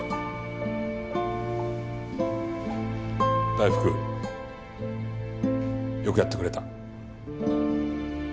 大福よくやってくれた。